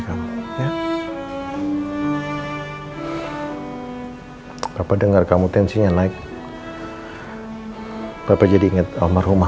ya udah aku ke kantin dulu ya